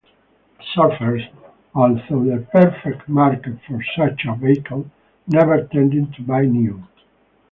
Surfers, although the perfect market for such a vehicle, never tended to buy new.